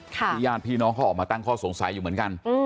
ญาติพี่น้องเขาออกมาตั้งข้อสงสัยอยู่เหมือนกัน